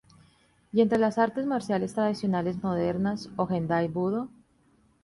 Y entre las artes marciales tradicionales modernas o gendai budo.